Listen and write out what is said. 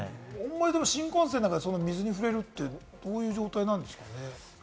新幹線の中で水に触れるってどういう状態なんですかね？